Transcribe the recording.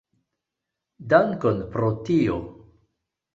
Dankon pro tio.